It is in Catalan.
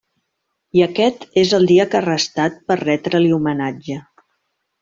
I aquest és el dia que ha restat per a retre-li homenatge.